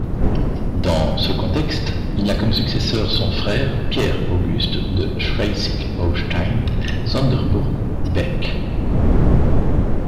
Dans ce contexte il a comme successeur son frère Pierre-Auguste de Schleswig-Holstein-Sonderbourg-Beck.